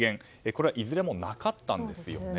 これはいずれもなかったんですね。